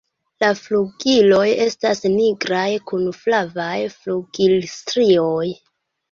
La flugiloj estas nigraj kun flavaj flugilstrioj.